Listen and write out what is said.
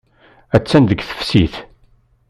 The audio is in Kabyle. Attan deg teftist.